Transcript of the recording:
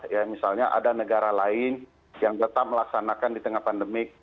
ya misalnya ada negara lain yang tetap melaksanakan di tengah pandemik